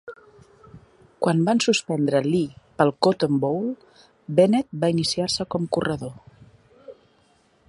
Quan van suspendre Lee pel Cotton Bowl, Bennett va iniciar-se com corredor.